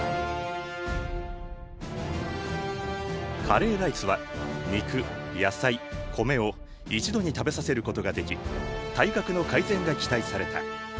カレーライスは肉野菜米を一度に食べさせることができ体格の改善が期待された。